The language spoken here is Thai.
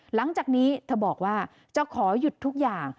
หลังจากนี้เธอบอกว่าจะขอหยุดทุกอย่าง